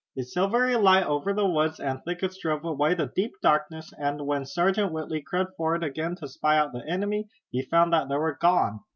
A silvery light over the woods and thickets drove away the deep darkness, and when Sergeant Whitley crept forward again to spy out the enemy he found that they were gone.